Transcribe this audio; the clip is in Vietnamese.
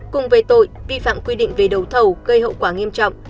cùng về tội vi phạm quy định về đầu thầu gây hậu quả nghiêm trọng